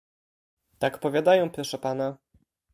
"Tak powiadają, proszę pana."